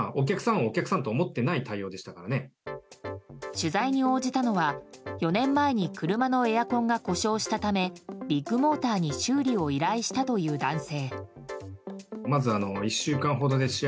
取材に応じたのは４年前に車のエアコンが故障したためビッグモーターに修理を依頼したという男性。